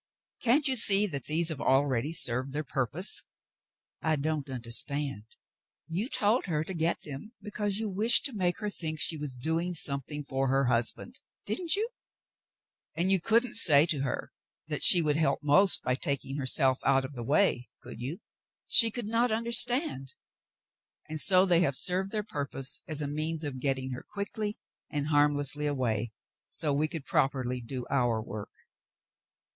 Can't you see these have already served their purpose ?" "I don't understand." "You told her to get them because you wished to make her think she was doing something for her husband, didn't you ^ And you couldn't say to her that she would help most by taking herself out of the way, could you .^ She could not understand, and so they have served their pur pose as a means of getting her quietly and harmlessly away so we could properly do our work."